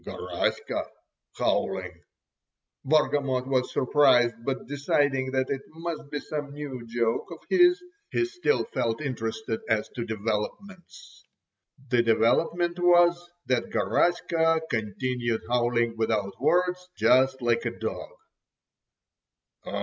Garaska howling! Bargamot was surprised, but deciding that it must be some new joke of his, he still felt interested as to developments. The development was that Garaska continued howling without words, just like a dog.